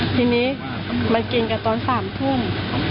ทีนี้มากินกันตอน๓ทุ่ม